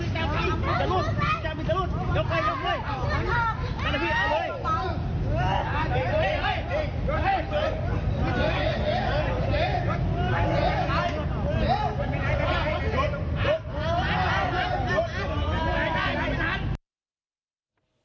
จับแล้วจับแล้วจับ